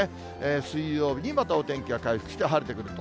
水曜日にまたお天気が回復して晴れてくると。